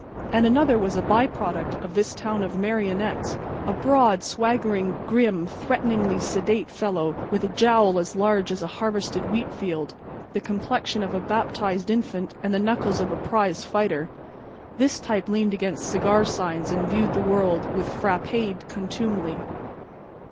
And another was a by product of this town of marionettes—a broad, swaggering, grim, threateningly sedate fellow, with a jowl as large as a harvested wheat field, the complexion of a baptized infant and the knuckles of a prize fighter. This type leaned against cigar signs and viewed the world with frappéd contumely.